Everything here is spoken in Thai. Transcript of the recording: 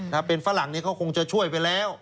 ถ้าเป็นฝรั่งนี้เขาคงจะช่วยไปแล้ว